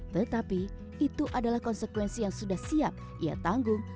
tetapi itu adalah konsekuensi yang sudah siap ia tanggung